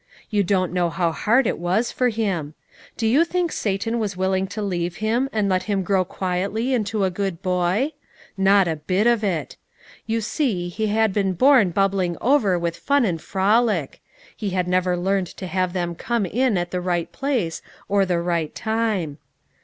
You don't know how hard it was for him. Do you think Satan was willing to leave him, and let him grow quietly into a good boy? Not a bit of it. You see he had been born bubbling over with fun and frolic; he had never learned to have them come in at the right place or the right time.